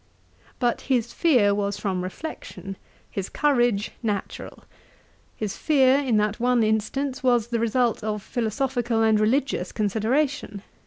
But his fear was from reflection; his courage natural. His fear, in that one instance, was the result of philosophical and religious consideration.